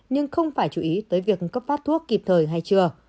nhưng không phải chú ý tới việc cấp phát thuốc kịp thời hay chưa